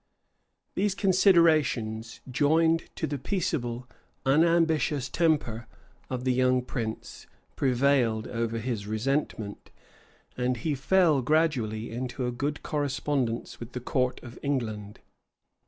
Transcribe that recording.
These considerations, joined to the peaceable, unambitious temper of the young prince, prevailed over his resentment, and he fell gradually into a good correspondence with the court of England.